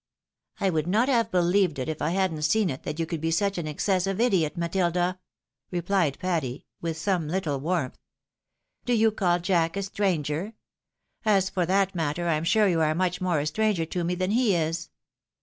" I would not have beheved, if I hadn't seen it, that you could be such an excessive idiot, Matilda I " replied Patty, with some Httle warmth. "Do you call Jack a stranger? As for that matter, I am sure you are much more a stranger to me than he is.